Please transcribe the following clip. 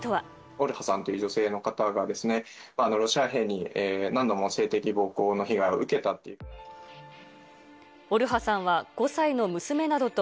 オルハさんという女性の方が、ロシア兵に何度も性的暴行の被害を受けたと。